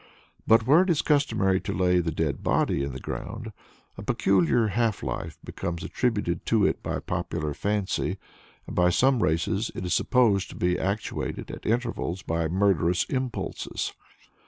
But where it is customary to lay the dead body in the ground, "a peculiar half life" becomes attributed to it by popular fancy, and by some races it is supposed to be actuated at intervals by murderous impulses.